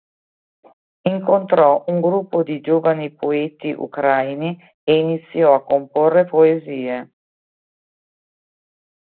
Incontrò un gruppo di giovani poeti ucraini e iniziò a comporre poesie.